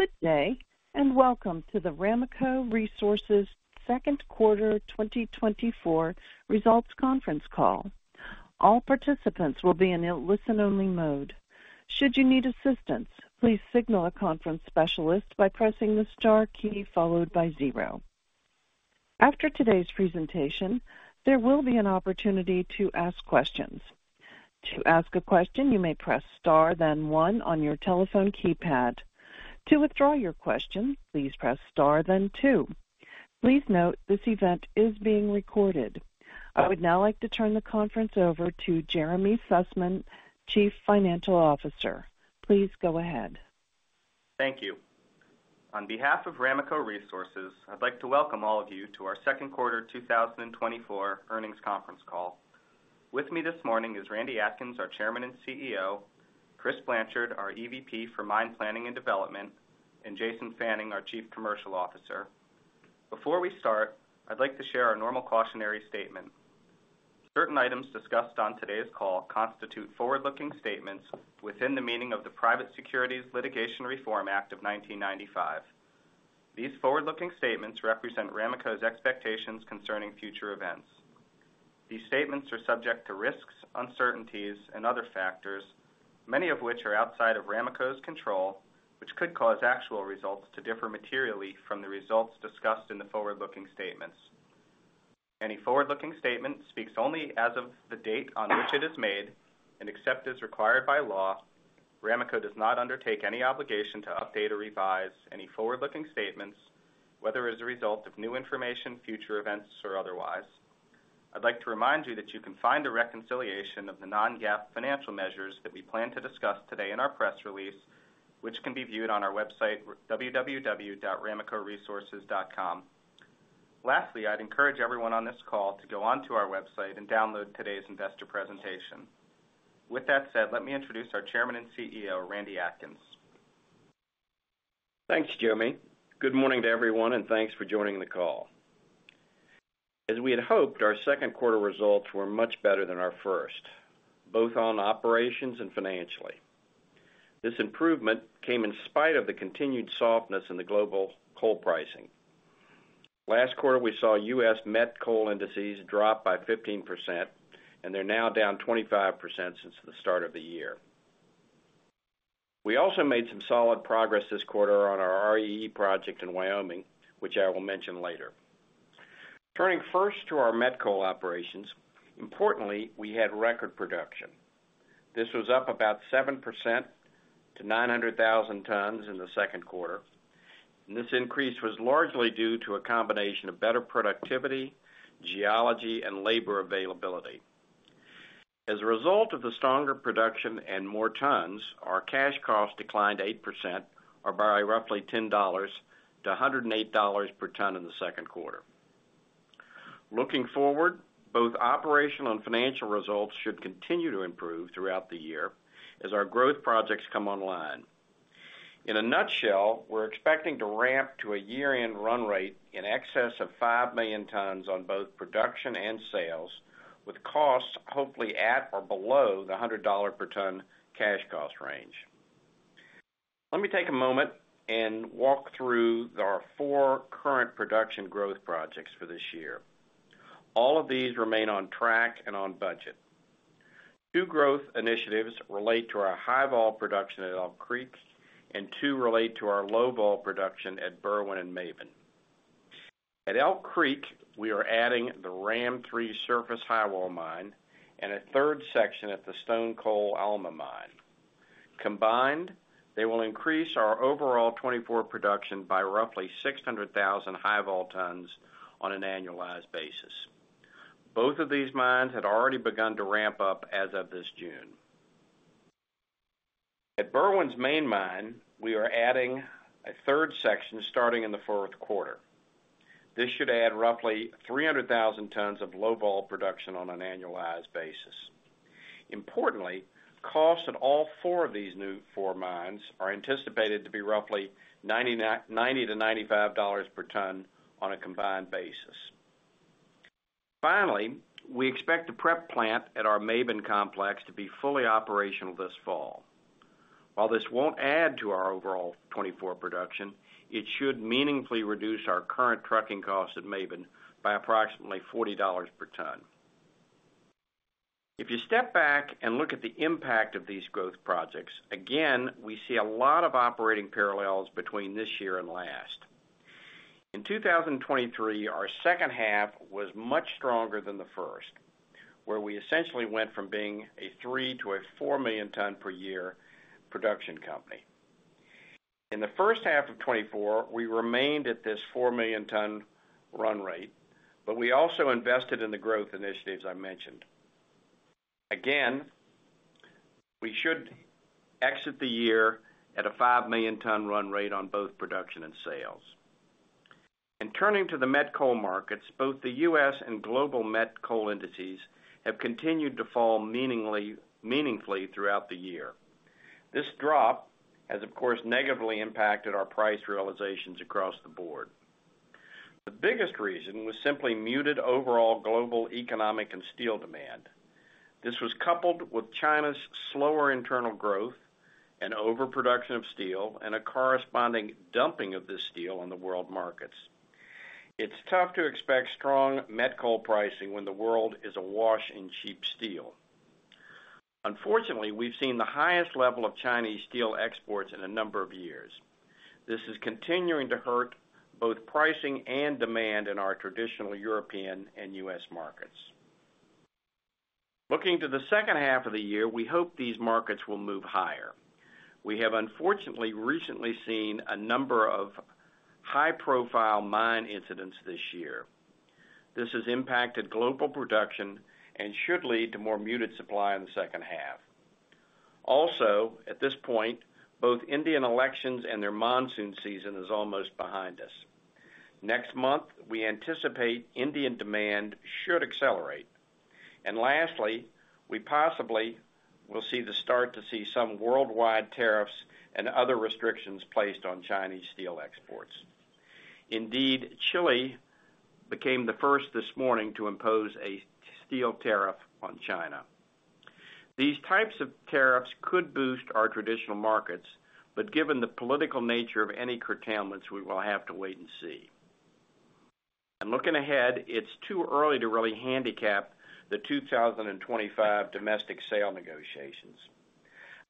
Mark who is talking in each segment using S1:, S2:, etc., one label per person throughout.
S1: Good day, and welcome to the Ramaco Resources Second Quarter 2024 Results Conference Call. All participants will be in a listen-only mode. Should you need assistance, please signal a conference specialist by pressing the star key followed by zero. After today's presentation, there will be an opportunity to ask questions. To ask a question, you may press Star, then one on your telephone keypad. To withdraw your question, please press Star, then two. Please note, this event is being recorded. I would now like to turn the conference over to Jeremy Sussman, Chief Financial Officer. Please go ahead.
S2: Thank you. On behalf of Ramaco Resources, I'd like to welcome all of you to our second quarter 2024 earnings conference call. With me this morning is Randy Atkins, our Chairman and CEO, Chris Blanchard, our EVP for Mine Planning and Development, and Jason Fanning, our Chief Commercial Officer. Before we start, I'd like to share our normal cautionary statement. Certain items discussed on today's call constitute forward-looking statements within the meaning of the Private Securities Litigation Reform Act of 1995. These forward-looking statements represent Ramaco's expectations concerning future events. These statements are subject to risks, uncertainties, and other factors, many of which are outside of Ramaco's control, which could cause actual results to differ materially from the results discussed in the forward-looking statements. Any forward-looking statement speaks only as of the date on which it is made, and except as required by law, Ramaco does not undertake any obligation to update or revise any forward-looking statements, whether as a result of new information, future events, or otherwise. I'd like to remind you that you can find a reconciliation of the non-GAAP financial measures that we plan to discuss today in our press release, which can be viewed on our website, www.ramacoresources.com. Lastly, I'd encourage everyone on this call to go onto our website and download today's investor presentation. With that said, let me introduce our Chairman and CEO, Randy Atkins.
S3: Thanks, Jeremy. Good morning to everyone, and thanks for joining the call. As we had hoped, our second quarter results were much better than our first, both on operations and financially. This improvement came in spite of the continued softness in the global coal pricing. Last quarter, we saw U.S. met coal indices drop by 15%, and they're now down 25% since the start of the year. We also made some solid progress this quarter on our REE project in Wyoming, which I will mention later. Turning first to our met coal operations, importantly, we had record production. This was up about 7% to 900,000 tons in the second quarter. This increase was largely due to a combination of better productivity, geology, and labor availability. As a result of the stronger production and more tons, our cash costs declined 8%, or by roughly $10 to $108 per ton in the second quarter. Looking forward, both operational and financial results should continue to improve throughout the year as our growth projects come online. In a nutshell, we're expecting to ramp to a year-end run rate in excess of 5 million tons on both production and sales, with costs hopefully at or below the $100 per ton cash cost range. Let me take a moment and walk through our 4 current production growth projects for this year. All of these remain on track and on budget. 2 growth initiatives relate to our high vol production at Elk Creek, and 2 relate to our low vol production at Berwind and Maben. At Elk Creek, we are adding the Ram 3 surface highwall mine and a third section at the Stonecoal Alma mine. Combined, they will increase our overall 2024 production by roughly 600,000 high vol tons on an annualized basis. Both of these mines had already begun to ramp up as of this June. At Berwind's main mine, we are adding a third section starting in the fourth quarter. This should add roughly 300,000 tons of low vol production on an annualized basis. Importantly, costs at all four of these new four mines are anticipated to be roughly $90-$95 per ton on a combined basis. Finally, we expect the prep plant at our Maben complex to be fully operational this fall. While this won't add to our overall 2024 production, it should meaningfully reduce our current trucking costs at Maben by approximately $40 per ton. If you step back and look at the impact of these growth projects, again, we see a lot of operating parallels between this year and last. In 2023, our second half was much stronger than the first, where we essentially went from being a 3- to 4-million-ton-per-year production company. In the first half of 2024, we remained at this 4 million ton run rate, but we also invested in the growth initiatives I mentioned. Again, we should exit the year at a 5 million ton run rate on both production and sales. In turning to the met coal markets, both the U.S. and global met coal indices have continued to fall meaningfully throughout the year. This drop has, of course, negatively impacted our price realizations across the board. The biggest reason was simply muted overall global economic and steel demand. This was coupled with China's slower internal growth and overproduction of steel, and a corresponding dumping of this steel on the world markets. It's tough to expect strong met coal pricing when the world is awash in cheap steel. Unfortunately, we've seen the highest level of Chinese steel exports in a number of years. This is continuing to hurt both pricing and demand in our traditional European and U.S. markets. Looking to the second half of the year, we hope these markets will move higher. We have, unfortunately, recently seen a number of high-profile mine incidents this year. This has impacted global production and should lead to more muted supply in the second half. Also, at this point, both Indian elections and their monsoon season is almost behind us. Next month, we anticipate Indian demand should accelerate. Lastly, we possibly will see the start to see some worldwide tariffs and other restrictions placed on Chinese steel exports. Indeed, Chile became the first this morning to impose a steel tariff on China. These types of tariffs could boost our traditional markets, but given the political nature of any curtailments, we will have to wait and see. Looking ahead, it's too early to really handicap the 2025 domestic sale negotiations.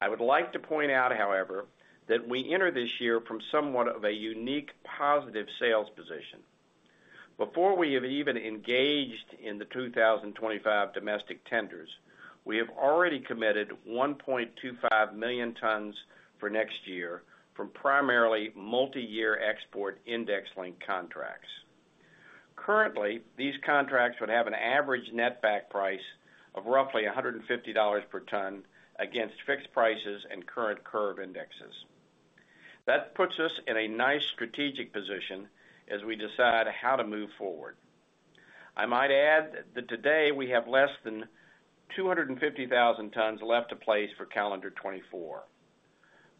S3: I would like to point out, however, that we enter this year from somewhat of a unique, positive sales position. Before we have even engaged in the 2025 domestic tenders, we have already committed 1.25 million tons for next year from primarily multi-year export index link contracts. Currently, these contracts would have an average net back price of roughly $150 per ton against fixed prices and current curve indexes. That puts us in a nice strategic position as we decide how to move forward. I might add that today, we have less than 250,000 tons left to place for calendar 2024.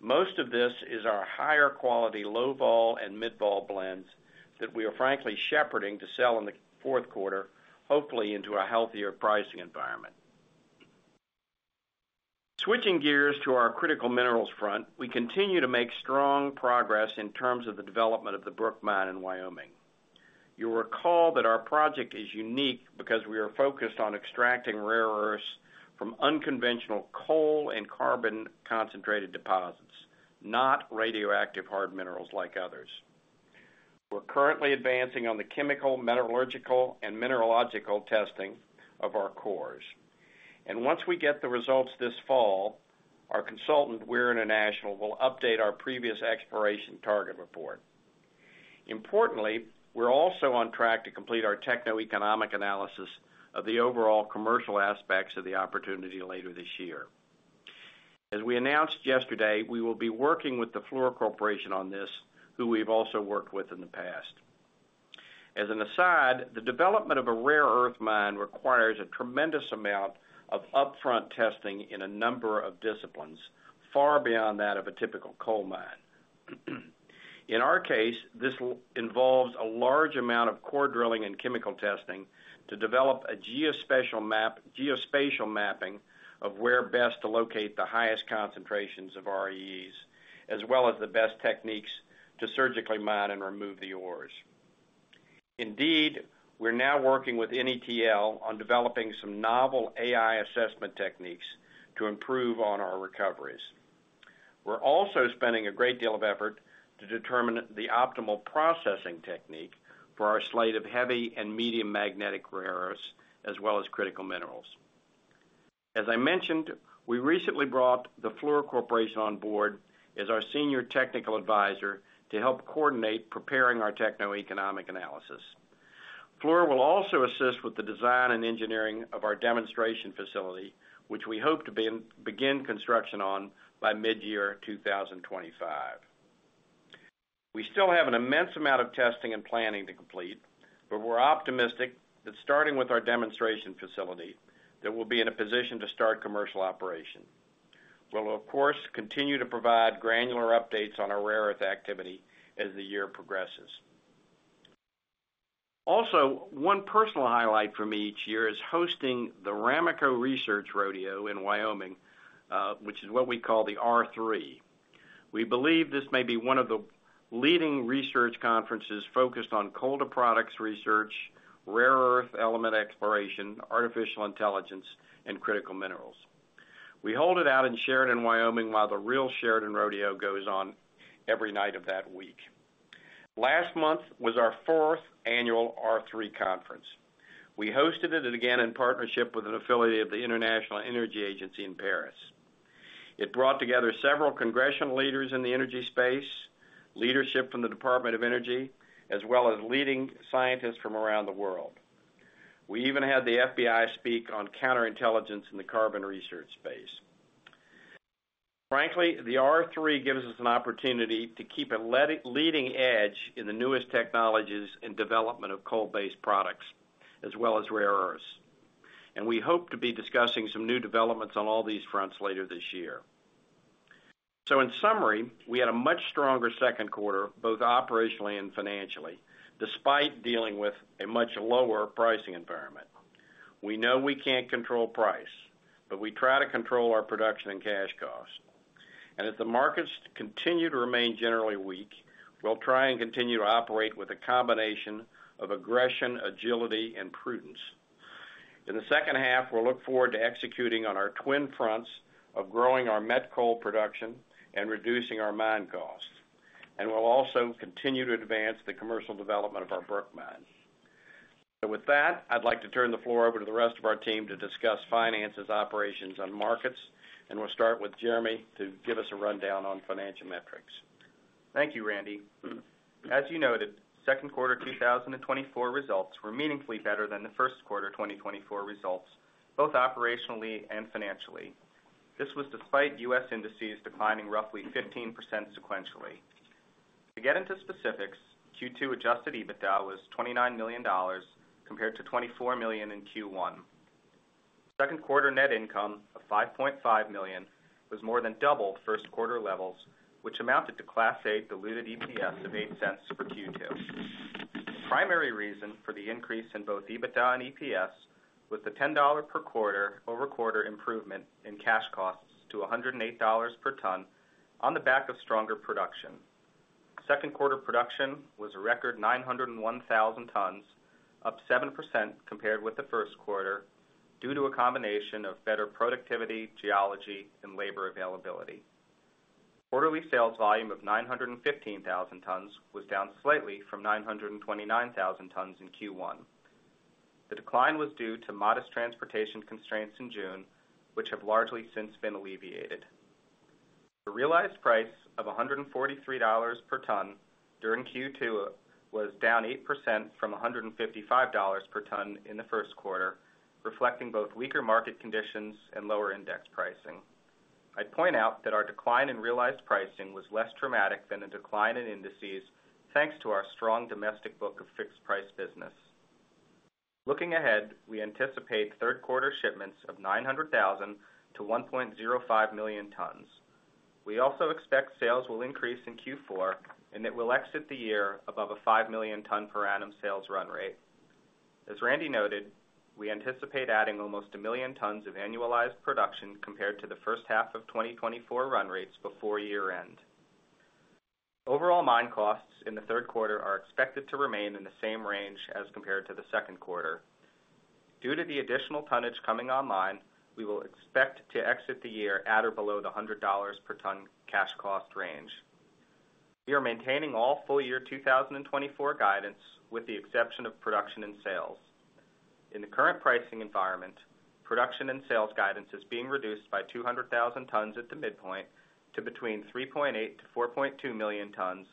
S3: Most of this is our higher quality, low vol and mid vol blends that we are frankly shepherding to sell in the fourth quarter, hopefully into a healthier pricing environment. Switching gears to our critical minerals front, we continue to make strong progress in terms of the development of the Brook Mine in Wyoming. You'll recall that our project is unique because we are focused on extracting rare earths from unconventional coal and carbon-concentrated deposits, not radioactive hard minerals like others. We're currently advancing on the chemical, metallurgical, and mineralogical testing of our cores. Once we get the results this fall, our consultant, Weir International, will update our previous exploration target report. Importantly, we're also on track to complete our techno-economic analysis of the overall commercial aspects of the opportunity later this year. As we announced yesterday, we will be working with the Fluor Corporation on this, who we've also worked with in the past. As an aside, the development of a rare earth mine requires a tremendous amount of upfront testing in a number of disciplines, far beyond that of a typical coal mine. In our case, this involves a large amount of core drilling and chemical testing to develop a geospatial map, geospatial mapping of where best to locate the highest concentrations of REEs, as well as the best techniques to surgically mine and remove the ores. Indeed, we're now working with NETL on developing some novel AI assessment techniques to improve on our recoveries. We're also spending a great deal of effort to determine the optimal processing technique for our slate of heavy and medium magnetic rare earths, as well as critical minerals. As I mentioned, we recently brought the Fluor Corporation on board as our senior technical advisor to help coordinate preparing our techno-economic analysis. Fluor will also assist with the design and engineering of our demonstration facility, which we hope to begin construction on by mid-year 2025. We still have an immense amount of testing and planning to complete, but we're optimistic that starting with our demonstration facility, that we'll be in a position to start commercial operation. We'll, of course, continue to provide granular updates on our rare earth activity as the year progresses. Also, one personal highlight for me each year is hosting the Ramaco Research Rodeo in Wyoming, which is what we call the R3. We believe this may be one of the leading research conferences focused on coal-to-products research, rare earth element exploration, artificial intelligence, and critical minerals. We hold it out in Sheridan, Wyoming, while the real Sheridan Rodeo goes on every night of that week. Last month was our fourth annual R3 conference. We hosted it again in partnership with an affiliate of the International Energy Agency in Paris. It brought together several congressional leaders in the energy space, leadership from the Department of Energy, as well as leading scientists from around the world. We even had the FBI speak on counterintelligence in the carbon research space. Frankly, the R3 gives us an opportunity to keep a leading edge in the newest technologies and development of coal-based products, as well as rare earths. We hope to be discussing some new developments on all these fronts later this year.... So in summary, we had a much stronger second quarter, both operationally and financially, despite dealing with a much lower pricing environment. We know we can't control price, but we try to control our production and cash costs. And if the markets continue to remain generally weak, we'll try and continue to operate with a combination of aggression, agility, and prudence. In the second half, we'll look forward to executing on our twin fronts of growing our met coal production and reducing our mine costs. And we'll also continue to advance the commercial development of our Brook Mine. So with that, I'd like to turn the floor over to the rest of our team to discuss finances, operations, and markets, and we'll start with Jeremy to give us a rundown on financial metrics.
S2: Thank you, Randy. As you noted, second quarter 2024 results were meaningfully better than the first quarter 2024 results, both operationally and financially. This was despite U.S. indices declining roughly 15% sequentially. To get into specifics, Q2 adjusted EBITDA was $29 million, compared to $24 million in Q1. Second quarter net income of $5.5 million was more than double first quarter levels, which amounted to Class A diluted EPS of $0.08 for Q2. The primary reason for the increase in both EBITDA and EPS was the $10 quarter-over-quarter improvement in cash costs to $108 per ton on the back of stronger production. Second quarter production was a record 901,000 tons, up 7% compared with the first quarter, due to a combination of better productivity, geology, and labor availability. Quarterly sales volume of 915,000 tons was down slightly from 929,000 tons in Q1. The decline was due to modest transportation constraints in June, which have largely since been alleviated. The realized price of $143 per ton during Q2 was down 8% from $155 per ton in the first quarter, reflecting both weaker market conditions and lower index pricing. I'd point out that our decline in realized pricing was less dramatic than the decline in indices, thanks to our strong domestic book of fixed price business. Looking ahead, we anticipate third quarter shipments of 900,000-1.05 million tons. We also expect sales will increase in Q4, and it will exit the year above a 5 million ton per annum sales run rate. As Randy noted, we anticipate adding almost 1 million tons of annualized production compared to the first half of 2024 run rates before year-end. Overall mine costs in the third quarter are expected to remain in the same range as compared to the second quarter. Due to the additional tonnage coming online, we will expect to exit the year at or below the $100 per ton cash cost range. We are maintaining all full year 2024 guidance, with the exception of production and sales. In the current pricing environment, production and sales guidance is being reduced by 200,000 tons at the midpoint to between 3.8-4.2 million tons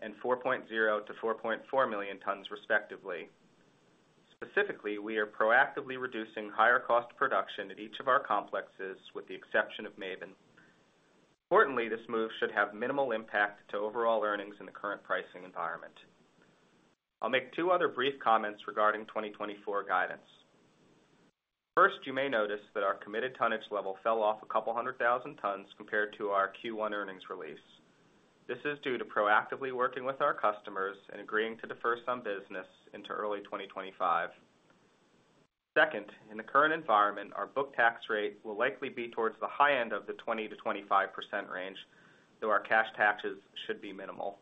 S2: and 4.0-4.4 million tons, respectively. Specifically, we are proactively reducing higher cost production at each of our complexes, with the exception of Maben. Importantly, this move should have minimal impact to overall earnings in the current pricing environment. I'll make two other brief comments regarding 2024 guidance. First, you may notice that our committed tonnage level fell off a couple hundred thousand tons compared to our Q1 earnings release. This is due to proactively working with our customers and agreeing to defer some business into early 2025. Second, in the current environment, our book tax rate will likely be towards the high end of the 20%-25% range, though our cash taxes should be minimal.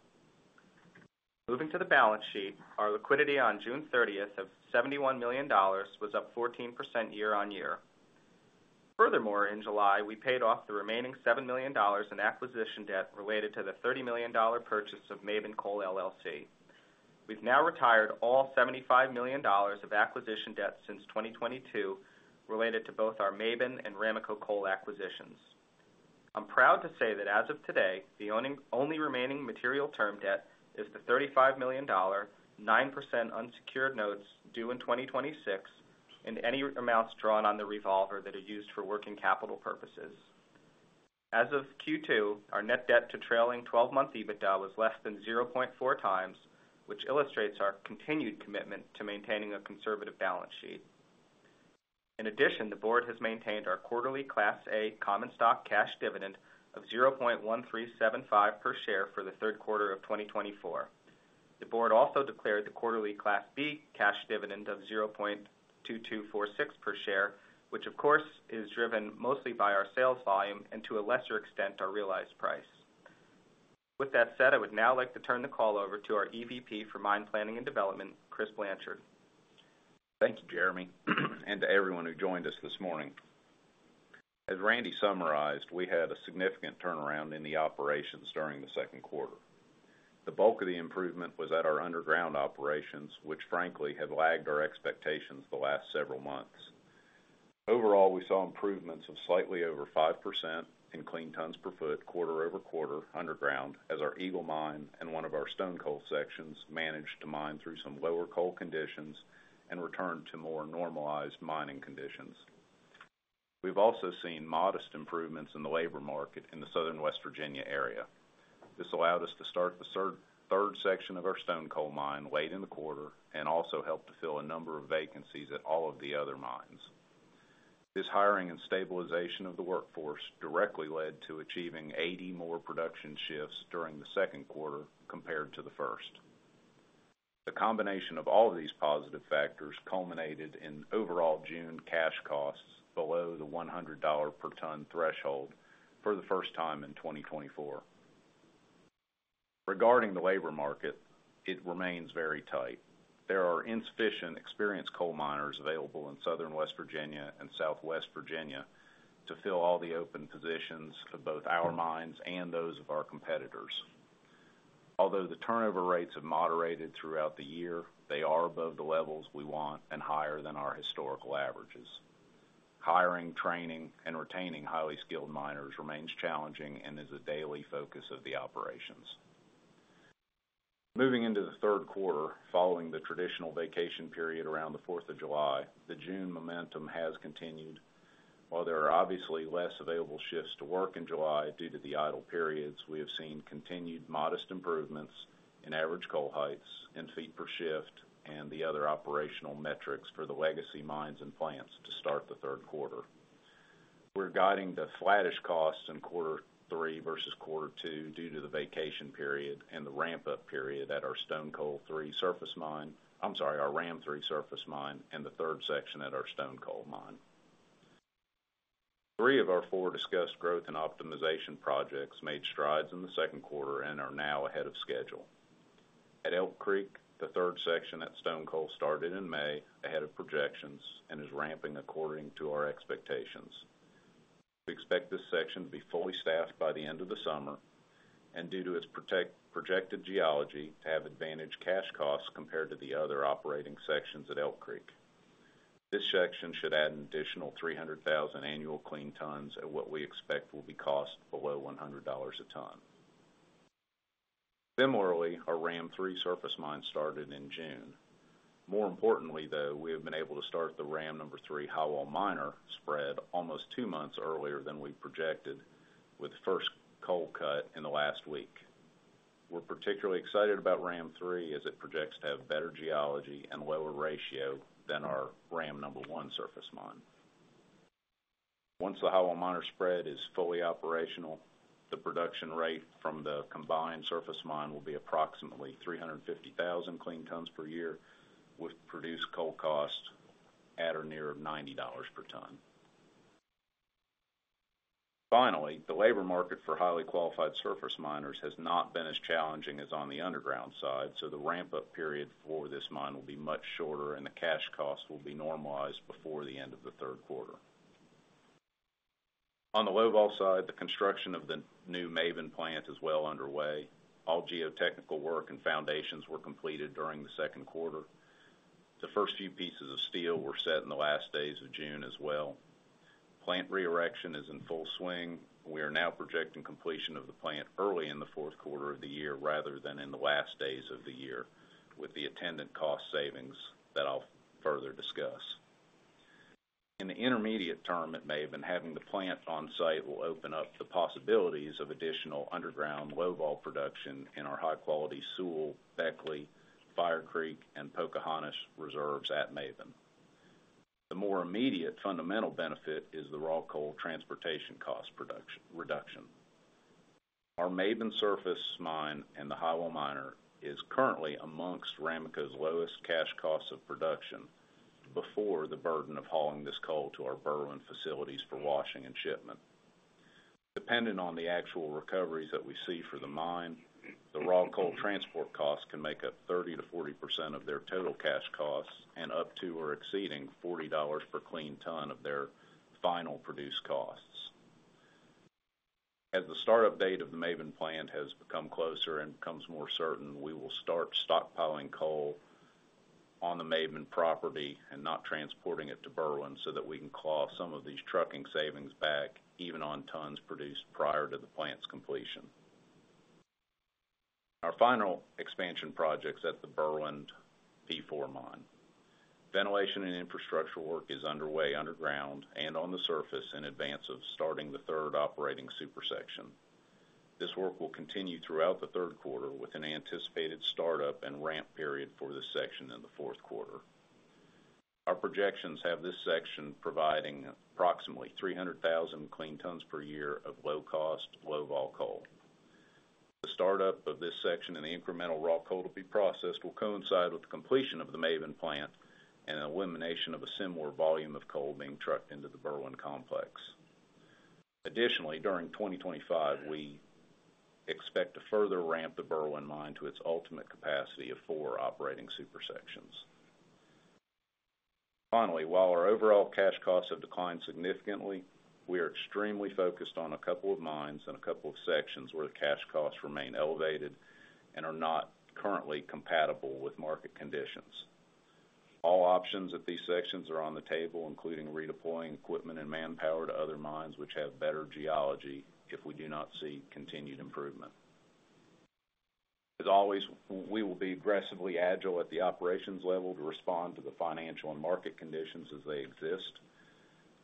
S2: Moving to the balance sheet, our liquidity on June 30 of $71 million was up 14% year-on-year. Furthermore, in July, we paid off the remaining $7 million in acquisition debt related to the $30 million purchase of Maben Coal LLC. We've now retired all $75 million of acquisition debt since 2022, related to both our Maben and Ramaco Coal acquisitions. I'm proud to say that as of today, the only remaining material term debt is the $35 million, 9% unsecured notes due in 2026, and any amounts drawn on the revolver that are used for working capital purposes. As of Q2, our net debt to trailing twelve-month EBITDA was less than 0.4 times, which illustrates our continued commitment to maintaining a conservative balance sheet. In addition, the board has maintained our quarterly Class A common stock cash dividend of $0.1375 per share for the third quarter of 2024. The board also declared the quarterly Class B cash dividend of $0.2246 per share, which of course, is driven mostly by our sales volume and to a lesser extent, our realized price. With that said, I would now like to turn the call over to our EVP for Mine Planning and Development, Chris Blanchard.
S4: Thank you, Jeremy, and to everyone who joined us this morning. As Randy summarized, we had a significant turnaround in the operations during the second quarter. The bulk of the improvement was at our underground operations, which frankly, have lagged our expectations the last several months. Overall, we saw improvements of slightly over 5% in clean tons per foot, quarter-over-quarter underground, as our Eagle Mine and one of our Stone Coal sections managed to mine through some lower coal conditions and return to more normalized mining conditions. We've also seen modest improvements in the labor market in the Southern West Virginia area. This allowed us to start the third section of our Stone Coal mine late in the quarter, and also helped to fill a number of vacancies at all of the other mines.... This hiring and stabilization of the workforce directly led to achieving 80 more production shifts during the second quarter compared to the first. The combination of all of these positive factors culminated in overall June cash costs below the $100 per ton threshold for the first time in 2024. Regarding the labor market, it remains very tight. There are insufficient experienced coal miners available in Southern West Virginia and Southwest Virginia to fill all the open positions for both our mines and those of our competitors. Although the turnover rates have moderated throughout the year, they are above the levels we want and higher than our historical averages. Hiring, training, and retaining highly skilled miners remains challenging and is a daily focus of the operations. Moving into the third quarter, following the traditional vacation period around the Fourth of July, the June momentum has continued. While there are obviously less available shifts to work in July due to the idle periods, we have seen continued modest improvements in average coal heights and feet per shift, and the other operational metrics for the legacy mines and plants to start the third quarter. We're guiding the flattish costs in quarter three versus quarter two due to the vacation period and the ramp-up period at our Stone Coal Three surface mine. I'm sorry, our Ram No. 3 surface mine, and the third section at our Stone Coal mine. Three of our four discussed growth and optimization projects made strides in the second quarter and are now ahead of schedule. At Elk Creek, the third section at Stone Coal started in May, ahead of projections, and is ramping according to our expectations. We expect this section to be fully staffed by the end of the summer, and due to its projected geology, to have advantaged cash costs compared to the other operating sections at Elk Creek. This section should add an additional 300,000 annual clean tons at what we expect will be costs below $100 a ton. Similarly, our Ram Three surface mine started in June. More importantly, though, we have been able to start the Ram number Three Highwall Miner spread almost two months earlier than we projected, with the first coal cut in last week. We're particularly excited about Ram Three, as it projects to have better geology and lower ratio than our Ram No.3 surface mine. Once the Highwall Miner spread is fully operational, the production rate from the combined surface mine will be approximately 350,000 clean tons per year, with produced coal cost at or near $90 per ton. Finally, the labor market for highly qualified surface miners has not been as challenging as on the underground side, so the ramp-up period for this mine will be much shorter, and the cash cost will be normalized before the end of the third quarter. On the Low Vol side, the construction of the new Maben plant is well underway. All geotechnical work and foundations were completed during the second quarter. The first few pieces of steel were set in the last days of June as well. Plant re-erection is in full swing. We are now projecting completion of the plant early in the fourth quarter of the year, rather than in the last days of the year, with the attendant cost savings that I'll further discuss. In the intermediate term at Maben, having the plant on-site will open up the possibilities of additional underground low-wall production in our high-quality Sewell, Beckley, Fire Creek, and Pocahontas reserves at Maben. The more immediate fundamental benefit is the raw coal transportation cost production reduction. Our Maben surface mine and the Highwall Miner is currently amongst Ramaco's lowest cash costs of production before the burden of hauling this coal to our Berwind facilities for washing and shipment. Depending on the actual recoveries that we see for the mine, the raw coal transport costs can make up 30%-40% of their total cash costs, and up to or exceeding $40 per clean ton of their final produced costs. As the start-up date of the Maben plant has become closer and becomes more certain, we will start stockpiling coal on the Maben property and not transporting it to Berwind, so that we can claw some of these trucking savings back, even on tons produced prior to the plant's completion. Our final expansion project's at the Berwind P4 mine. Ventilation and infrastructure work is underway underground and on the surface in advance of starting the third operating super section. This work will continue throughout the third quarter, with an anticipated startup and ramp period for this section in the fourth quarter. Our projections have this section providing approximately 300,000 clean tons per year of low-cost, low-vol coal. The startup of this section and the incremental raw coal to be processed will coincide with the completion of the Maben plant and an elimination of a similar volume of coal being trucked into the Berwind complex. Additionally, during 2025, we expect to further ramp the Berwind mine to its ultimate capacity of four operating super sections. Finally, while our overall cash costs have declined significantly, we are extremely focused on a couple of mines and a couple of sections where the cash costs remain elevated and are not currently compatible with market conditions. All options at these sections are on the table, including redeploying equipment and manpower to other mines, which have better geology if we do not see continued improvement. As always, we will be aggressively agile at the operations level to respond to the financial and market conditions as they exist.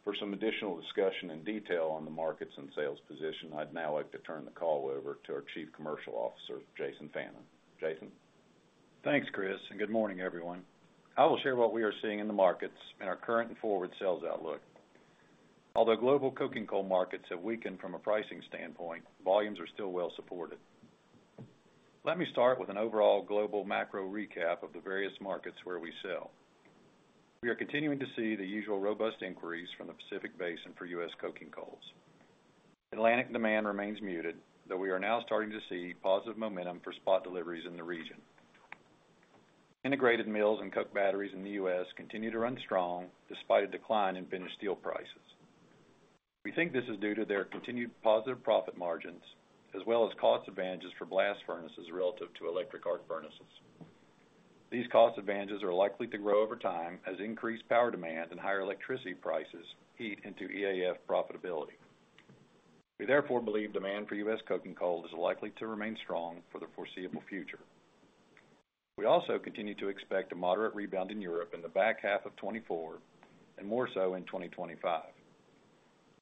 S4: For some additional discussion and detail on the markets and sales position, I'd now like to turn the call over to our Chief Commercial Officer, Jason Fanning. Jason?...
S5: Thanks, Chris, and good morning, everyone. I will share what we are seeing in the markets and our current and forward sales outlook. Although global coking coal markets have weakened from a pricing standpoint, volumes are still well supported. Let me start with an overall global macro recap of the various markets where we sell. We are continuing to see the usual robust inquiries from the Pacific Basin for U.S. coking coals. Atlantic demand remains muted, though we are now starting to see positive momentum for spot deliveries in the region. Integrated mills and coke batteries in the U.S. continue to run strong, despite a decline in finished steel prices. We think this is due to their continued positive profit margins, as well as cost advantages for blast furnaces relative to electric arc furnaces. These cost advantages are likely to grow over time as increased power demand and higher electricity prices eat into EAF profitability. We therefore believe demand for U.S. coking coal is likely to remain strong for the foreseeable future. We also continue to expect a moderate rebound in Europe in the back half of 2024, and more so in 2025.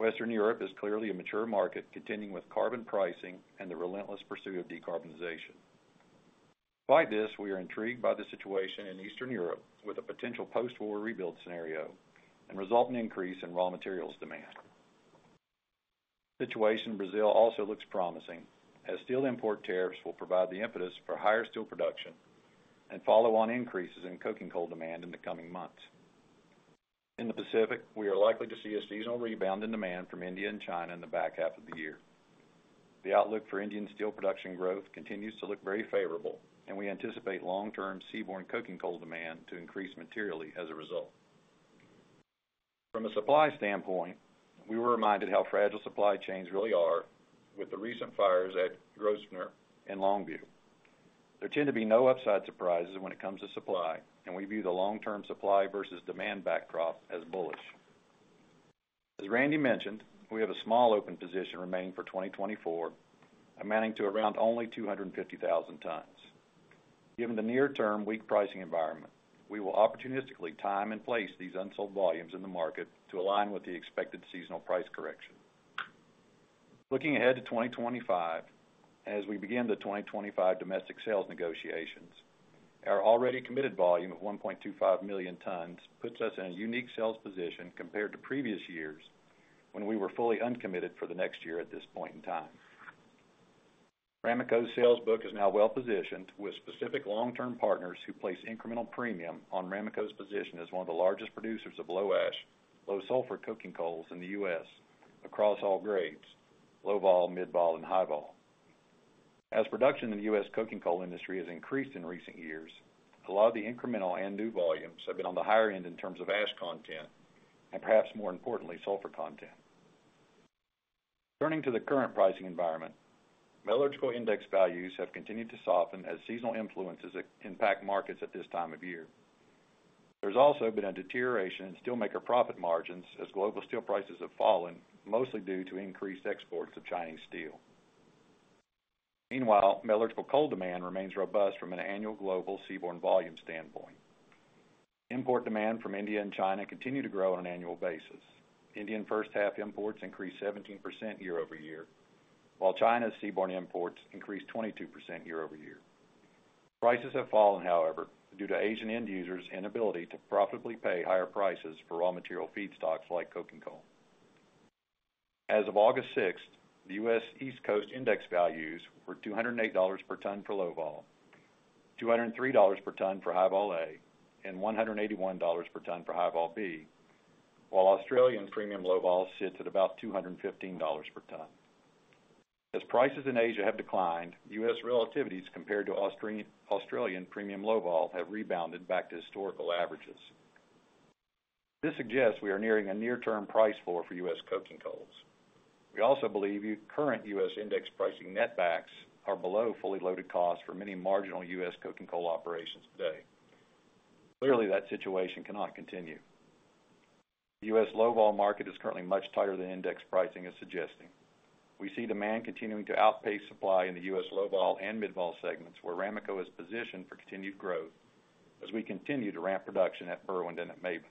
S5: Western Europe is clearly a mature market, continuing with carbon pricing and the relentless pursuit of decarbonization. By this, we are intrigued by the situation in Eastern Europe with a potential post-war rebuild scenario and resulting increase in raw materials demand. The situation in Brazil also looks promising, as steel import tariffs will provide the impetus for higher steel production and follow-on increases in coking coal demand in the coming months. In the Pacific, we are likely to see a seasonal rebound in demand from India and China in the back half of the year. The outlook for Indian steel production growth continues to look very favorable, and we anticipate long-term seaborne coking coal demand to increase materially as a result. From a supply standpoint, we were reminded how fragile supply chains really are with the recent fires at Grosvenor and Longview. There tend to be no upside surprises when it comes to supply, and we view the long-term supply versus demand backdrop as bullish. As Randy mentioned, we have a small open position remaining for 2024, amounting to around only 250,000 tons. Given the near-term weak pricing environment, we will opportunistically time and place these unsold volumes in the market to align with the expected seasonal price correction. Looking ahead to 2025, as we begin the 2025 domestic sales negotiations, our already committed volume of 1.25 million tons puts us in a unique sales position compared to previous years, when we were fully uncommitted for the next year at this point in time. Ramaco's sales book is now well-positioned with specific long-term partners who place incremental premium on Ramaco's position as one of the largest producers of low ash, low sulfur coking coals in the U.S. across all grades: Low Vol, Mid Vol, and High Vol. As production in the U.S. coking coal industry has increased in recent years, a lot of the incremental and new volumes have been on the higher end in terms of ash content and perhaps more importantly, sulfur content. Turning to the current pricing environment, metallurgical index values have continued to soften as seasonal influences impact markets at this time of year. There's also been a deterioration in steelmaker profit margins as global steel prices have fallen, mostly due to increased exports of Chinese steel. Meanwhile, metallurgical coal demand remains robust from an annual global seaborne volume standpoint. Import demand from India and China continue to grow on an annual basis. Indian first half imports increased 17% year-over-year, while China's seaborne imports increased 22% year-over-year. Prices have fallen, however, due to Asian end users' inability to profitably pay higher prices for raw material feedstocks like coking coal. As of August sixth, the U.S. East Coast index values were $208 per ton for Low Vol, $203 per ton for High Vol A, and $181 per ton for High Vol B, while Australian premium Low Vol sits at about $215 per ton. As prices in Asia have declined, U.S. relativities compared to Australian premium Low Vol have rebounded back to historical averages. This suggests we are nearing a near-term price floor for U.S. coking coals. We also believe the current U.S. index pricing net backs are below fully loaded costs for many marginal U.S. coking coal operations today. Clearly, that situation cannot continue. The U.S. Low-Vol market is currently much tighter than index pricing is suggesting. We see demand continuing to outpace supply in the U.S. low-vol and mid-vol segments, where Ramaco is positioned for continued growth as we continue to ramp production at Berwind and at Maben.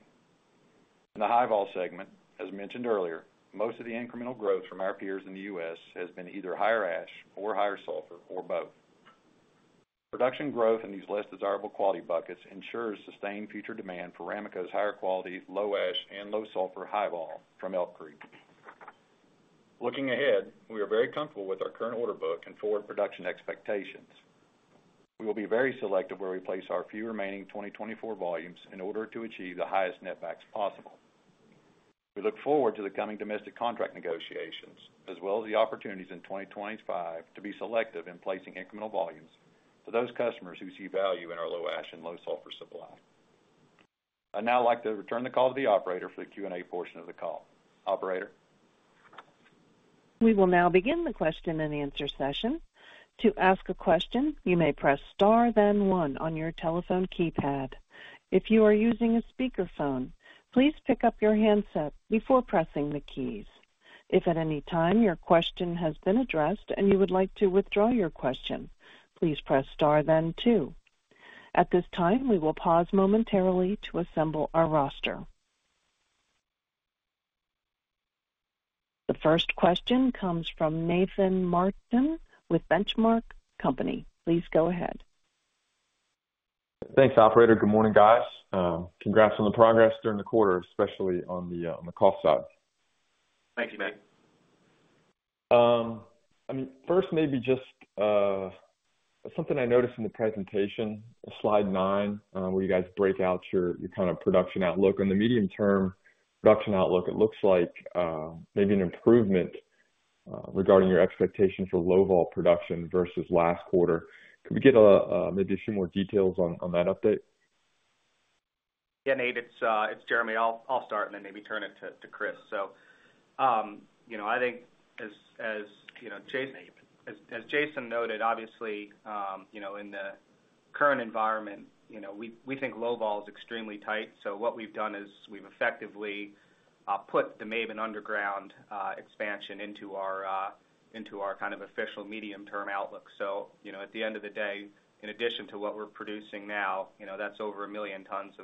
S5: In the high-vol segment, as mentioned earlier, most of the incremental growth from our peers in the U.S. has been either higher ash or higher sulfur, or both. Production growth in these less desirable quality buckets ensures sustained future demand for Ramaco's higher quality, low ash and low sulfur high vol from Elk Creek. Looking ahead, we are very comfortable with our current order book and forward production expectations. We will be very selective where we place our few remaining 2024 volumes in order to achieve the highest net backs possible. We look forward to the coming domestic contract negotiations, as well as the opportunities in 2025 to be selective in placing incremental volumes for those customers who see value in our low ash and low sulfur supply. I'd now like to return the call to the operator for the Q&A portion of the call. Operator?
S1: We will now begin the question-and-answer session. To ask a question, you may press Star, then one on your telephone keypad. If you are using a speakerphone, please pick up your handset before pressing the keys. If at any time your question has been addressed and you would like to withdraw your question, please press Star, then two. At this time, we will pause momentarily to assemble our roster. The first question comes from Nathan Martin with The Benchmark Company. Please go ahead.
S6: Thanks, operator. Good morning, guys. Congrats on the progress during the quarter, especially on the cost side.
S2: Thank you, Nate.
S6: I mean, first, maybe just something I noticed in the presentation, slide nine, where you guys break out your kind of production outlook. On the medium-term production outlook, it looks like maybe an improvement regarding your expectations for low-vol production versus last quarter. Could we get maybe a few more details on that update?
S2: Yeah, Nate, it's Jeremy. I'll start and then maybe turn it to Chris. So, you know, I think as you know, Jason—as Jason noted, obviously, you know, in the current environment, you know, we think low vol is extremely tight. So what we've done is we've effectively put the Maben underground expansion into our kind of official medium-term outlook. So, you know, at the end of the day, in addition to what we're producing now, you know, that's over 1 million tons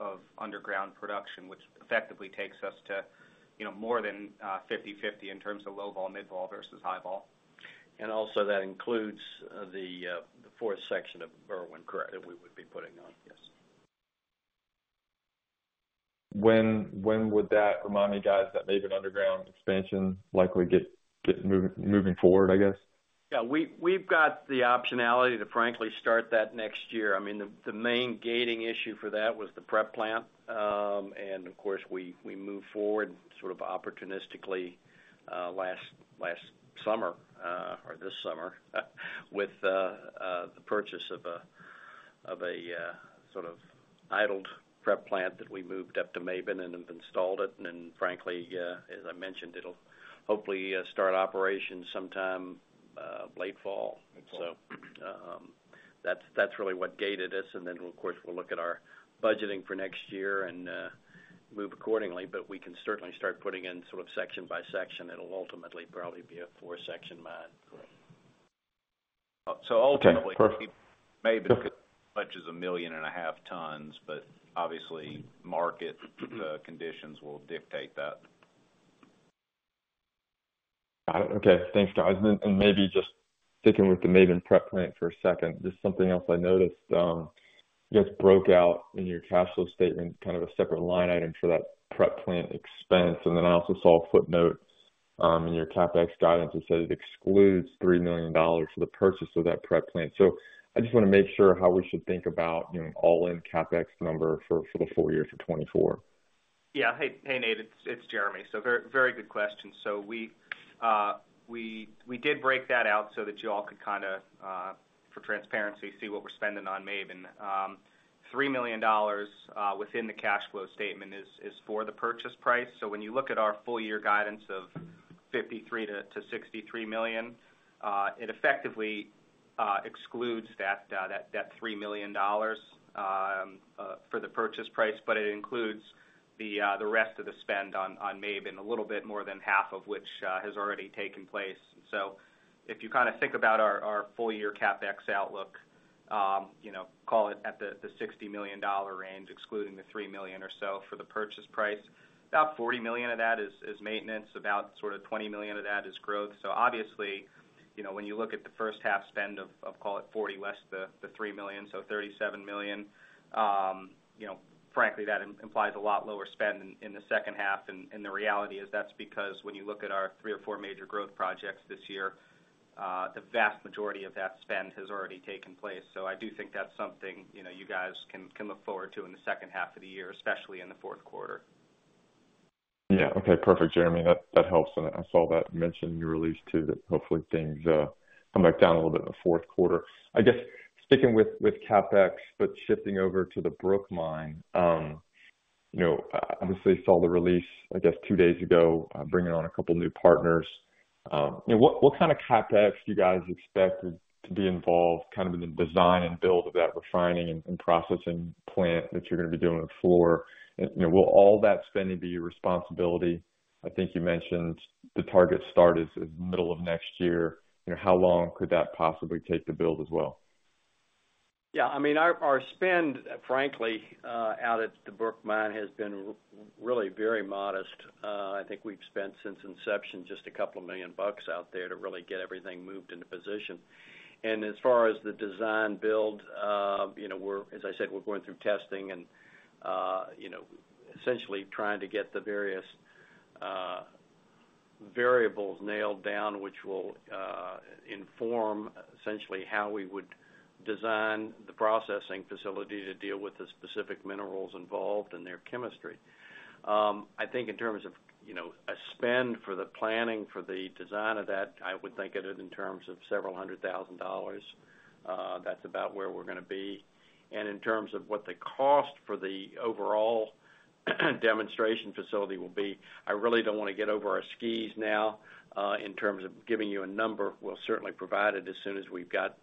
S2: of underground production, which effectively takes us to, you know, more than 50/50 in terms of low vol, mid vol versus high vol.
S3: And also that includes the fourth section of Berwind-
S2: Correct.
S3: that we would be putting on.
S2: Yes.
S6: When would that remind me, guys, that Maben underground expansion likely get moving forward, I guess?
S3: Yeah, we've got the optionality to frankly start that next year. I mean, the main gating issue for that was the prep plant. And of course, we moved forward sort of opportunistically last summer or this summer with the purchase of a sort of idled prep plant that we moved up to Maben and have installed it. And then frankly, as I mentioned, it'll hopefully start operations sometime late fall.
S2: Late fall.
S3: So, that's, that's really what gated us. And then, of course, we'll look at our budgeting for next year and move accordingly, but we can certainly start putting in sort of section by section. It'll ultimately probably be a four-section mine.
S6: Correct.
S3: So ultimately-
S6: Okay, perfect.
S3: Maben could... as much as 1.5 million tons, but obviously, market conditions will dictate that.
S6: Got it. Okay. Thanks, guys. And maybe just sticking with the Maben prep plant for a second. Just something else I noticed, you guys broke out in your cash flow statement, kind of a separate line item for that prep plant expense. And then I also saw a footnote in your CapEx guidance that said it excludes $3 million for the purchase of that prep plant. So I just wanna make sure how we should think about, you know, all-in CapEx number for the full year for 2024.
S2: Yeah. Hey, Nate, it's Jeremy. So very, very good question. So we did break that out so that you all could kind of for transparency see what we're spending on Maben. Three million dollars within the cash flow statement is for the purchase price. So when you look at our full year guidance of $53 million-$63 million, it effectively excludes that three million dollars for the purchase price, but it includes the rest of the spend on Maben, a little bit more than half of which has already taken place. So if you kind of think about our full year CapEx outlook, you know, call it at the $60 million range, excluding the $3 million or so for the purchase price, about $40 million of that is maintenance, about sort of $20 million of that is growth. So obviously, you know, when you look at the first half spend of call it $40 million less the $3 million, so $37 million, you know, frankly, that implies a lot lower spend in the second half. And the reality is that's because when you look at our three or four major growth projects this year, the vast majority of that spend has already taken place. I do think that's something, you know, you guys can look forward to in the second half of the year, especially in the fourth quarter.
S6: Yeah. Okay, perfect, Jeremy. That, that helps. And I saw that mentioned in your release, too, that hopefully things come back down a little bit in the fourth quarter. I guess sticking with CapEx, but shifting over to the Brook Mine, you know, obviously saw the release, I guess, two days ago, bringing on a couple new partners. You know, what kind of CapEx do you guys expect to be involved kind of in the design and build of that refining and processing plant that you're gonna be doing for? And, you know, will all that spending be your responsibility? I think you mentioned the target start is middle of next year. You know, how long could that possibly take to build as well?
S3: Yeah, I mean, our spend, frankly, out at the Brook Mine has been really very modest. I think we've spent since inception, just $2 million out there to really get everything moved into position. And as far as the design build, you know, we're, as I said, we're going through testing and, you know, essentially trying to get the various variables nailed down, which will inform essentially how we would design the processing facility to deal with the specific minerals involved and their chemistry. I think in terms of, you know, a spend for the planning, for the design of that, I would think of it in terms of several hundred thousand dollars. That's about where we're gonna be. In terms of what the cost for the overall demonstration facility will be, I really don't wanna get over our skis now in terms of giving you a number. We'll certainly provide it as soon as we've got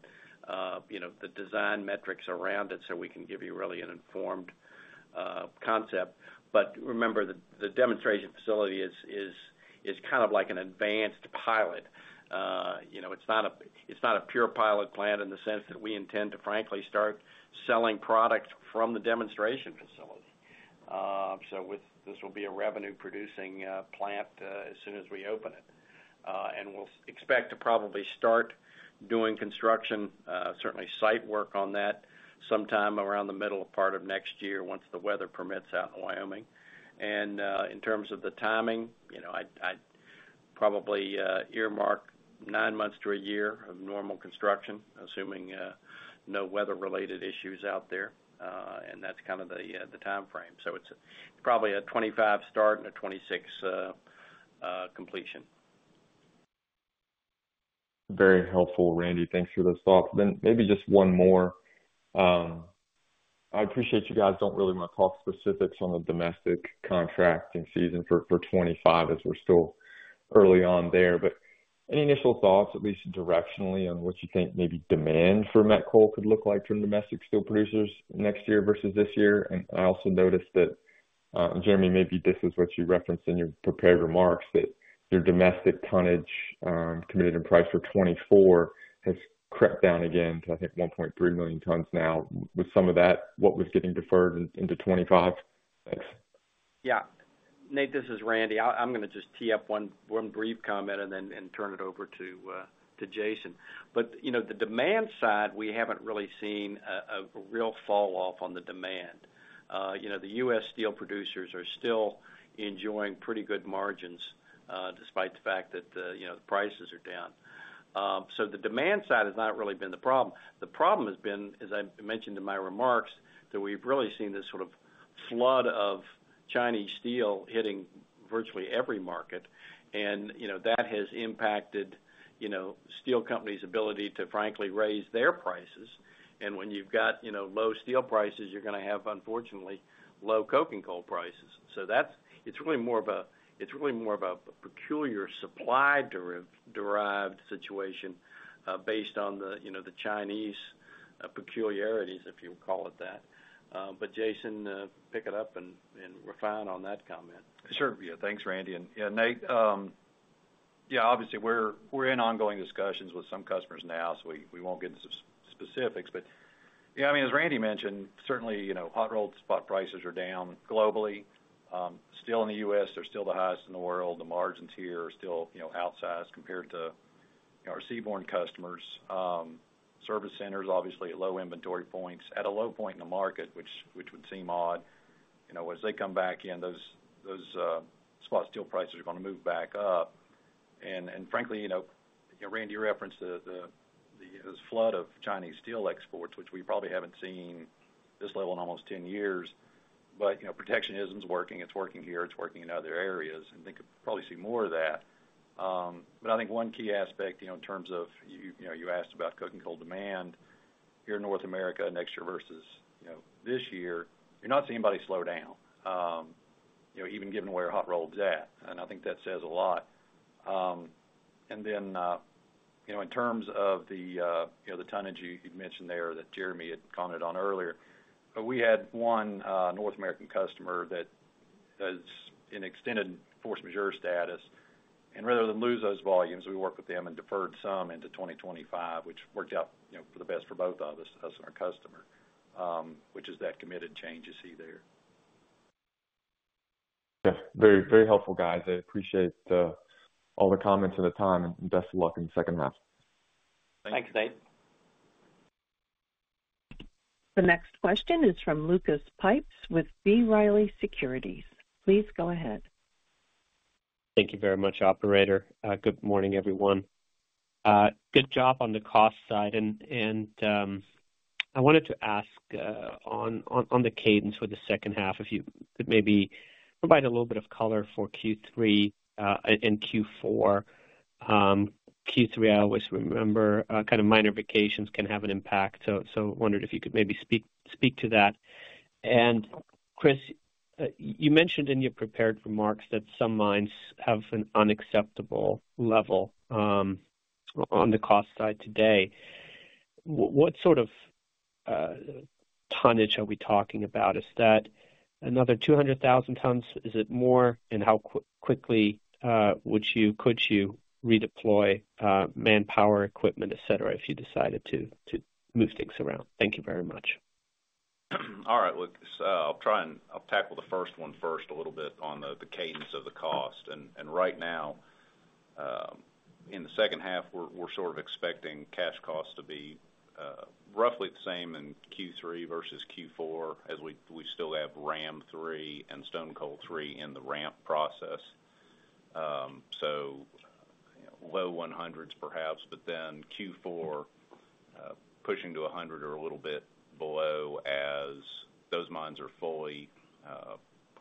S3: you know the design metrics around it, so we can give you really an informed concept. But remember, the demonstration facility is kind of like an advanced pilot. You know, it's not a pure pilot plant in the sense that we intend to frankly start selling product from the demonstration facility, so with this will be a revenue producing plant as soon as we open it. And we'll expect to probably start doing construction certainly site work on that sometime around the middle part of next year, once the weather permits out in Wyoming. In terms of the timing, you know, I, I'd probably earmark 9 months to a year of normal construction, assuming no weather-related issues out there, and that's kind of the timeframe. So it's probably a 2025 start and a 2026 completion.
S6: Very helpful, Randy. Thanks for those thoughts. Then maybe just one more. I appreciate you guys don't really want to talk specifics on the domestic contracting season for 2025, as we're still early on there. But any initial thoughts, at least directionally, on what you think maybe demand for met coal could look like from domestic steel producers next year versus this year? And I also noticed that, Jeremy, maybe this is what you referenced in your prepared remarks, that your domestic tonnage committed in price for 2024 has crept down again to, I think, 1.3 million tons now. With some of that, what was getting deferred into 2025? Thanks.
S3: Yeah. Nate, this is Randy. I'm gonna just tee up one brief comment and then turn it over to Jason. But, you know, the demand side, we haven't really seen a real fall off on the demand. You know, the U.S. steel producers are still enjoying pretty good margins, despite the fact that, you know, the prices are down. So the demand side has not really been the problem. The problem has been, as I mentioned in my remarks, that we've really seen this sort of flood of Chinese steel hitting virtually every market, and, you know, that has impacted, you know, steel companies' ability to frankly raise their prices. And when you've got, you know, low steel prices, you're gonna have, unfortunately, low coking coal prices. So that's it. It's really more of a peculiar supply-derived situation, based on the, you know, the Chinese peculiarities, if you call it that. But Jason, pick it up and refine on that comment.
S4: Sure. Yeah, thanks, Randy. Yeah, Nate, obviously, we're in ongoing discussions with some customers now, so we won't get into specifics. But, yeah, I mean, as Randy mentioned, certainly, you know, hot rolled spot prices are down globally. Still in the U.S., they're still the highest in the world. The margins here are still, you know, outsized compared to our seaborne customers. Service centers, obviously at low inventory points, at a low point in the market, which would seem odd. You know, as they come back in, those spot steel prices are gonna move back up. And frankly, you know, Randy, you referenced the this flood of Chinese steel exports, which we probably haven't seen this level in almost 10 years, but, you know, protectionism is working. It's working here, it's working in other areas, and they could probably see more of that. But I think one key aspect, you know, in terms of you know, you asked about coking coal demand here in North America next year versus, you know, this year, you're not seeing anybody slow down, you know, even given where hot rolled's at, and I think that says a lot. And then, you know, in terms of the tonnage you'd mentioned there that Jeremy had commented on earlier, we had one North American customer that is in extended force majeure status, and rather than lose those volumes, we worked with them and deferred some into 2025, which worked out, you know, for the best for both of us and our customer, which is that committed change you see there.
S6: Yeah, very, very helpful, guys. I appreciate all the comments and the time, and best of luck in the second half.
S3: Thanks, Nate.
S1: The next question is from Lucas Pipes with B. Riley Securities. Please go ahead.
S7: Thank you very much, operator. Good morning, everyone. Good job on the cost side. And I wanted to ask on the cadence for the second half, if you could maybe provide a little bit of color for Q3 and Q4. Q3, I always remember kind of minor vacations can have an impact, so wondered if you could maybe speak to that. And Chris, you mentioned in your prepared remarks that some mines have an unacceptable level on the cost side today. What sort of tonnage are we talking about? Is that another 200,000 tons? Is it more? And how quickly would you could you redeploy manpower, equipment, et cetera, if you decided to move things around? Thank you very much.
S4: All right, Lucas. I'll try and I'll tackle the first one first, a little bit on the cadence of the cost. And right now, in the second half, we're sort of expecting cash costs to be roughly the same in Q3 versus Q4, as we still have Ram No. 3 and Stone Coal 3 in the ramp process. So low $100s perhaps, but then Q4 pushing to $100 or a little bit below as those mines are fully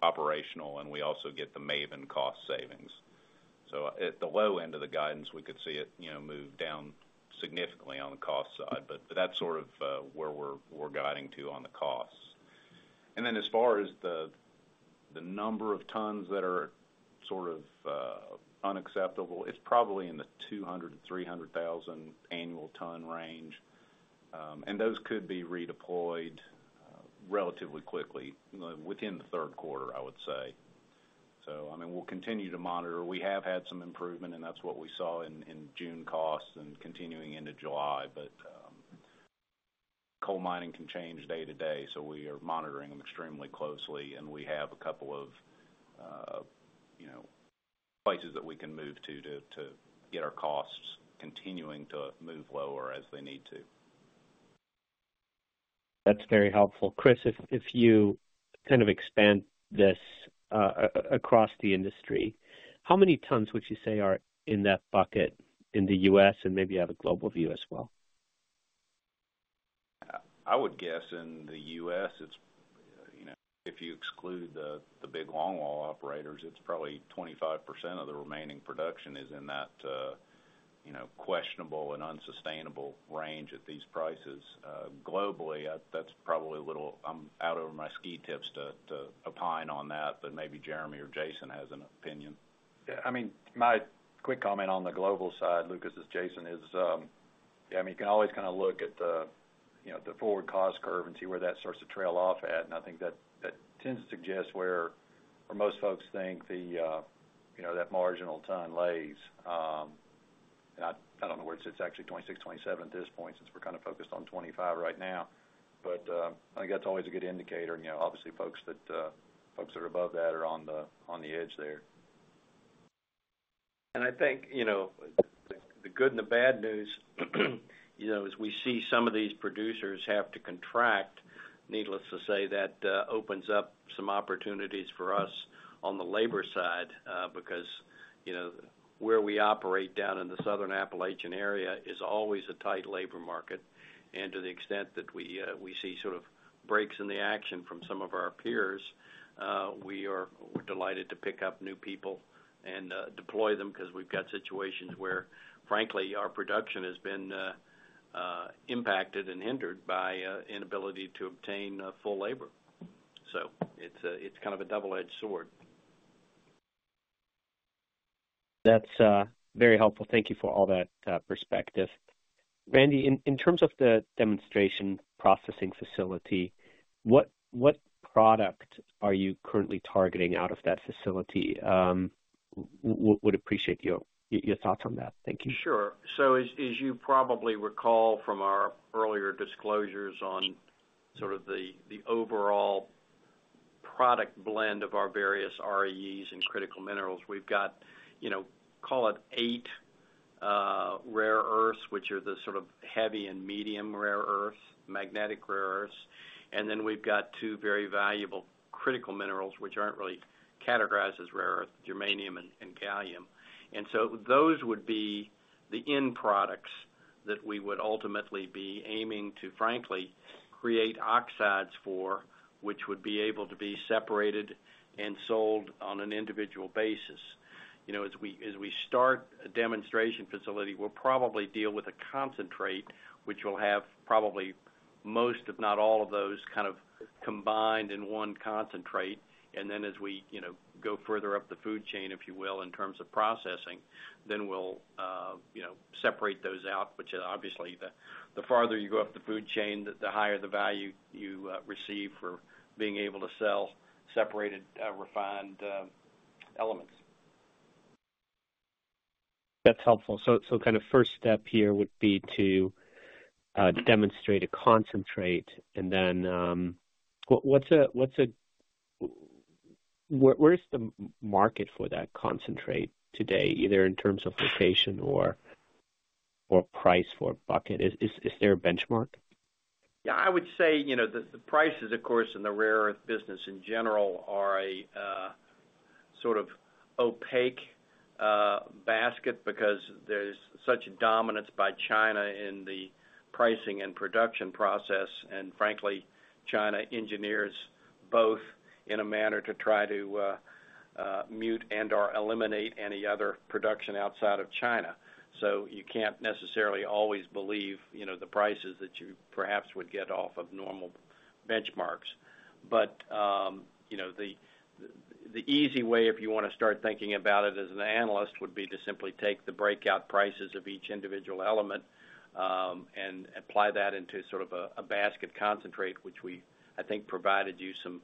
S4: operational, and we also get the Maben cost savings. So at the low end of the guidance, we could see it, you know, move down significantly on the cost side, but that's sort of where we're guiding to on the costs. And then as far as the number of tons that are sort of unacceptable, it's probably in the 200-300,000 annual ton range. And those could be redeployed relatively quickly, within the third quarter, I would say. So I mean, we'll continue to monitor. We have had some improvement, and that's what we saw in June costs and continuing into July. But coal mining can change day to day, so we are monitoring them extremely closely, and we have a couple of, you know, places that we can move to to get our costs continuing to move lower as they need to.
S7: That's very helpful. Chris, if you kind of expand this across the industry, how many tons would you say are in that bucket in the US, and maybe you have a global view as well?
S4: I would guess in the US, it's, you know, if you exclude the big longwall operators, it's probably 25% of the remaining production is in that, you know, questionable and unsustainable range at these prices. Globally, that's probably a little out of my expertise to opine on that, but maybe Jeremy or Jason has an opinion.
S3: Yeah, I mean, my quick comment on the global side, Lucas, as Jason is, yeah, I mean, you can always kinda look at the, you know, the forward cost curve and see where that starts to trail off at. And I think that, that tends to suggest where or most folks think the, you know, that marginal ton lays. And I, I don't know where it sits, actually, 2026, 2027 at this point, since we're kind of focused on 2025 right now. But, I think that's always a good indicator. And, you know, obviously, folks that, folks that are above that are on the, on the edge there.
S4: And I think, you know, the good and the bad news, you know, as we see some of these producers have to contract, needless to say, that opens up some opportunities for us on the labor side, because, you know, where we operate down in the Southern Appalachian area is always a tight labor market. And to the extent that we see sort of breaks in the action from some of our peers, we are delighted to pick up new people and deploy them because we've got situations where, frankly, our production has been impacted and hindered by inability to obtain full labor. So it's kind of a double-edged sword.
S7: That's very helpful. Thank you for all that perspective. Randy, in terms of the demonstration processing facility, what product are you currently targeting out of that facility? Would appreciate your thoughts on that. Thank you.
S3: Sure. So as you probably recall from our earlier disclosures on sort of the overall product blend of our various REEs and critical minerals, we've got, you know, call it eight rare earths, which are the sort of heavy and medium rare earths, magnetic rare earths. And then we've got two very valuable critical minerals, which aren't really categorized as rare earth, germanium and gallium. And so those would be the end products that we would ultimately be aiming to, frankly, create oxides for, which would be able to be separated and sold on an individual basis. You know, as we start a demonstration facility, we'll probably deal with a concentrate which will have probably most, if not all, of those kind of combined in one concentrate. And then as we, you know, go further up the food chain, if you will, in terms of processing, then we'll, you know, separate those out, which is obviously the farther you go up the food chain, the higher the value you receive for being able to sell separated, refined, elements.
S7: That's helpful. So, kind of first step here would be to demonstrate a concentrate, and then... What's the market for that concentrate today, either in terms of location or price for a bucket? Is there a benchmark?
S3: Yeah, I would say, you know, the prices, of course, in the rare earth business in general are a sort of opaque basket because there's such dominance by China in the pricing and production process. And frankly, China engineers both in a manner to try to mute and/or eliminate any other production outside of China. So you can't necessarily always believe, you know, the prices that you perhaps would get off of normal benchmarks. But, you know, the easy way, if you want to start thinking about it as an analyst, would be to simply take the breakout prices of each individual element, and apply that into sort of a basket concentrate, which we, I think, provided you some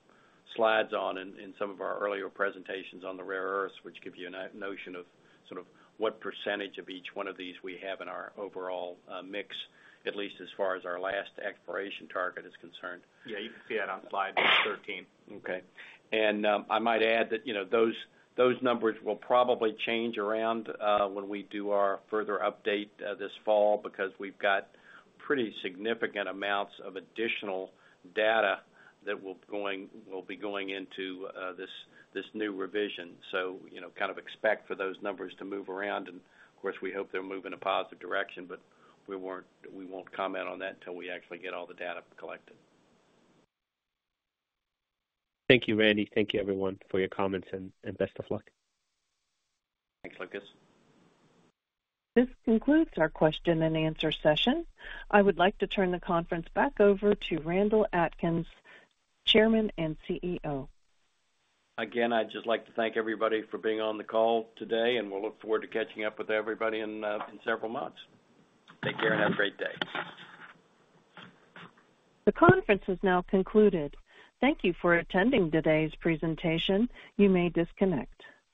S3: slides on in some of our earlier presentations on the rare earths, which give you a notion of sort of what percentage of each one of these we have in our overall mix, at least as far as our last exploration target is concerned.
S4: Yeah, you can see it on slide 13.
S3: Okay. And, I might add that, you know, those, those numbers will probably change around, when we do our further update, this fall, because we've got pretty significant amounts of additional data that will be going into, this, this new revision. So, you know, kind of expect for those numbers to move around, and of course, we hope they'll move in a positive direction, but we won't comment on that until we actually get all the data collected.
S7: Thank you, Randy. Thank you, everyone, for your comments, and best of luck.
S4: Thanks, Lucas.
S1: This concludes our question and answer session. I would like to turn the conference back over to Randall Atkins, Chairman and CEO.
S3: Again, I'd just like to thank everybody for being on the call today, and we'll look forward to catching up with everybody in, in several months. Take care and have a great day.
S1: The conference is now concluded. Thank you for attending today's presentation. You may disconnect.